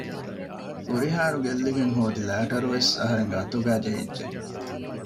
ހުރިހާއިރު ގެއްލިގެން ހޯދި ލައިޓަރުވެސް އަހަރެންގެ އަތުގައި ޖެހިއްޖެ